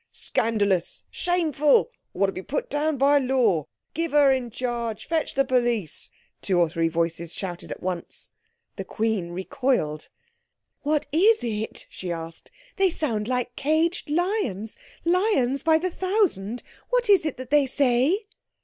"Scandalous! Shameful! Ought to be put down by law. Give her in charge. Fetch the police," two or three voices shouted at once. The Queen recoiled. "What is it?" she asked. "They sound like caged lions—lions by the thousand. What is it that they say?"